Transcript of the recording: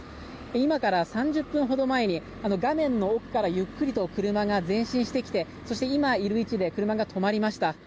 今から３０分ほど前に画面の奥からゆっくりと車が前進してきてそして、今いる位置で車が止まりました。